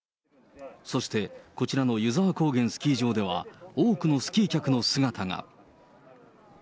そして、こちらの湯沢高原スキー場では、多くのスキー客の姿が。